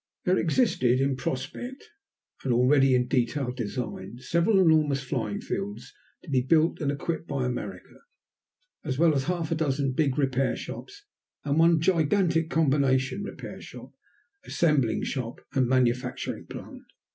There existed, in prospect, and already in detailed design, several enormous flying fields, to be built and equipped by America, as well as half a dozen big repair shops, and one gigantic combination repair shop, assembling shop, and manufacturing plant.